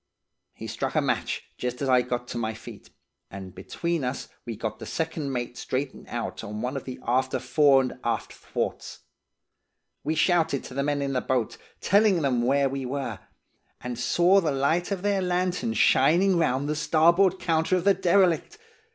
"He struck a match, just as I got to my feet, and between us we got the second mate straightened out on one of the after fore and aft thwarts. We shouted to the men in the boat, telling them where we were, and saw the light of their lantern shining round the starboard counter of the derelict.